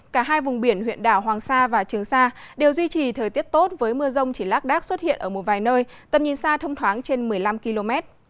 cả hai vùng biển huyện đảo hoàng sa và trường sa đều duy trì thời tiết tốt với mưa rông chỉ lác đác xuất hiện ở một vài nơi tầm nhìn xa thông thoáng trên một mươi năm km